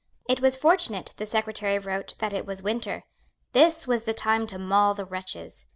It was fortunate, the Secretary wrote, that it was winter. This was the time to maul the wretches.